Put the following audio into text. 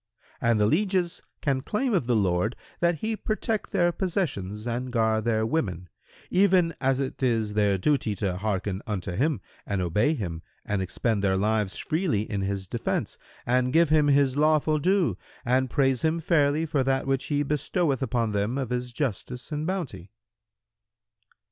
And the lieges can claim of the lord that he protect their possessions and guard their women,[FN#111] even as it is their duty to hearken unto him and obey him and expend their lives freely in his defence and give him his lawful due and praise him fairly for that which he bestoweth upon them of his justice and bounty."